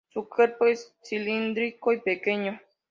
Su cuerpo es cilíndrico y pequeño.